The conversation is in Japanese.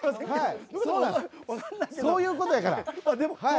そういうことやから。